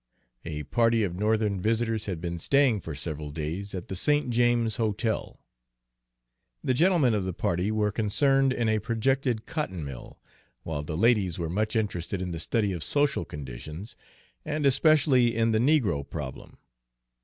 A party of Northern visitors had been staying for several days at the St. James Hotel. The gentlemen of the party were concerned in a projected cotton mill, while the ladies were much interested in the study of social conditions, and especially in the negro problem.